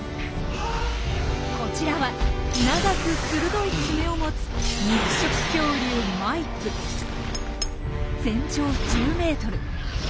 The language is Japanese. こちらは長く鋭い爪を持つ肉食恐竜全長１０ｍ。